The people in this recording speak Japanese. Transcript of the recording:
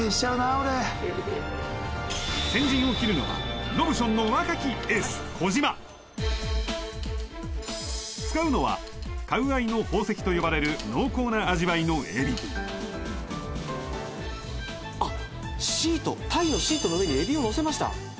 俺先陣を切るのはロブションの使うのはカウアイの宝石と呼ばれる濃厚な味わいのエビあっシート鯛のシートの上にエビをのせました